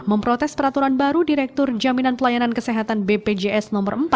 memprotes peraturan baru direktur jaminan pelayanan kesehatan bpjs no empat